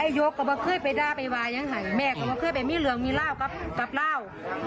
ไออยกก็มาเคยไปด้าไปวายังไหแม่ก็มาเคยไปมืดหลวงมีลาวกับลาว